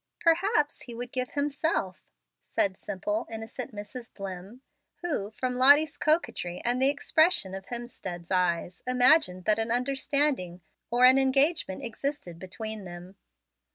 "Perhaps he would give himself," said simple, innocent Mrs. Dlimm, who, from Lottie's coquetry and the expression of Hemstead's eyes, imagined that an understanding or an engagement existed between them.